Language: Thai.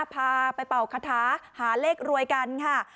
พาไปเป่าคาถาหาเลขรวยกันค่ะ